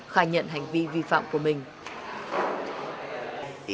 khai nhận hành vi vi phạm của mình